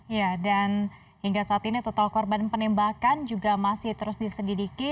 ya dan hingga saat ini total korban penembakan juga masih terus diselidiki